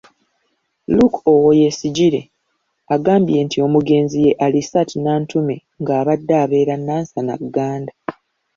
Luke Oweyesigyire agambye nti omugenzi ye Alisat Nantume nga abadde abeera Nansana Gganda.